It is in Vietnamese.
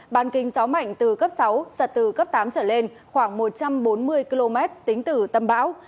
bàn kinh gió mạnh từ cấp sáu giật từ cấp tám trở lên khoảng một trăm bốn mươi km tính từ tâm bão